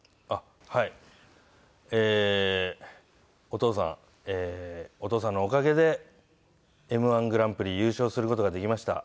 お父さんお父さんのおかげでＭ−１グランプリ優勝する事ができました。